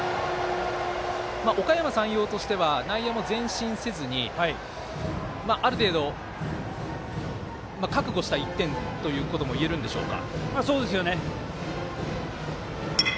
おかやま山陽としては内野も前進せずに覚悟した１点ということもいえるんでしょうか。